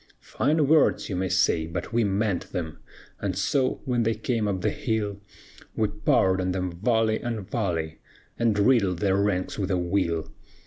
"Fine words, you may say, but we meant them; And so when they came up the hill, We poured on them volley on volley, And riddled their ranks with a will.